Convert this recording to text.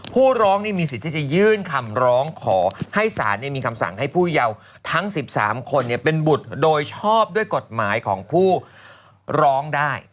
ผู้ร้องนี่มีสิทธิ์ที่จะยื่นคำร้องขอให้ศาลมีคำสั่งให้ผู้เยาว์ทั้ง๑๓คนเป็นบุตรโดยชอบด้วยกฎหมายของผู้ร้องได้